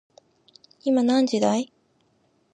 今何時だい